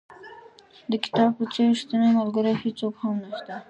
د کتاب په څېر ریښتینی ملګری هېڅوک هم نشته.